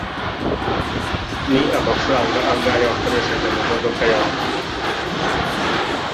ni amafaranga angahe wakoresheje mu modoka yawe